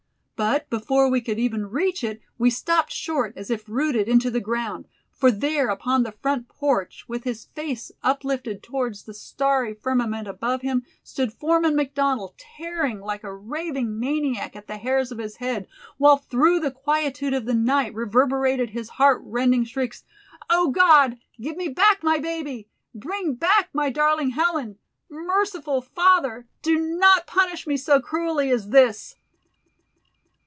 But before we could even reach it, we stopped short as if rooted into the ground, for there upon the front porch, with his face uplifted towards the starry firmament above him, stood Foreman McDonald, tearing like a raving maniac at the hairs of his head, while through the quietude of the night reverberated his heart rending shrieks: "Oh God! Give me back my baby! Bring back my darling Helen! Merciful Father, do not punish me so cruelly as this!" [Illustration: "Oh God! Give me back my baby! Merciful Father, do not punish me so cruelly as this!"